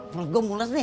perut gue mulas nih